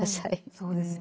そうですね。